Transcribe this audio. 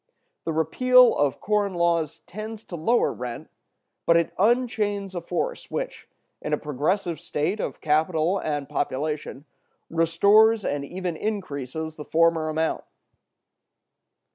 The repeal of corn laws tends to lower rents, but it unchains a force which, in a progressive state of capital and population, restores and even increases the former amount.